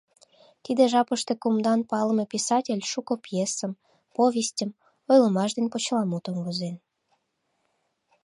Тиде жапыште кумдан палыме писатель шуко пьесым, повестьым, ойлымаш ден почеламутым возен.